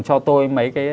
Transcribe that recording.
cho tôi mấy cái